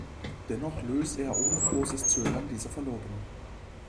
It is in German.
Dennoch löst er ohne großes Zögern diese Verlobung.